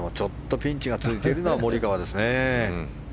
ピンチが続いているのはモリカワですね。